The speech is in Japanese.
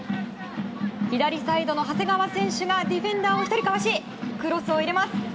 左サイドの長谷川選手ディフェンダーを１人かわしクロスを入れます。